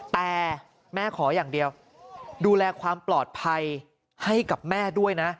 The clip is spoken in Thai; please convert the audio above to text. แต่แม่ขออย่างเดียวดูแลความปลอดภัยให้กับแม่ด้วยนะ